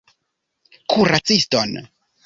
Kuraciston!